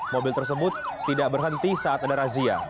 mobil tersebut tidak berhenti saat ada razia